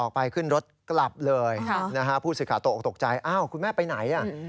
ออกไปขึ้นรถกลับเลยผู้สิทธิ์ขาตกตกใจอ้าวคุณแม่ไปไหน